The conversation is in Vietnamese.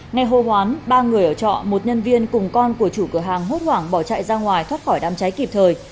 nghe hô hoán ba người ở trọ một nhân viên cùng con của chủ cửa hàng hốt hoảng bỏ chạy ra ngoài thoát khỏi đám cháy kịp thời